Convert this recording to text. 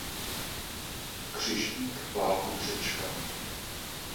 Křižník válku přečkal.